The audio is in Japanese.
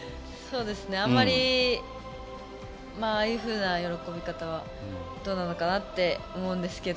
あんまりああいうふうな喜び方はどうなのかなって思うんですけど。